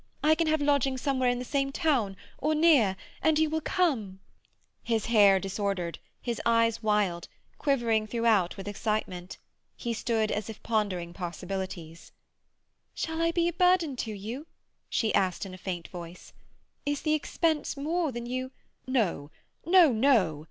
I can have lodgings somewhere in the same town, or near, and you will come—" His hair disordered, his eyes wild, quivering throughout with excitement, he stood as if pondering possibilities. "Shall I be a burden to you?" she asked in a faint voice. "Is the expense more than you—" "No, no, no!